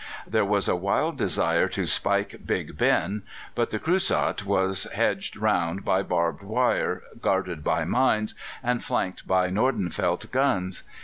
There was a wild desire to spike "Big Ben," but the Creusot was hedged round by barbed wire, guarded by mines, and flanked by Nordenfeldt guns.